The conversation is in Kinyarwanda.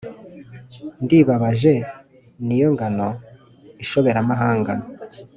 Ndibabaje, ni yo ngano inshoberamahanga